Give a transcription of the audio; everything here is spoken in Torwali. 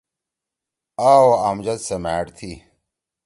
آ او امجد سیمأڑ تھی۔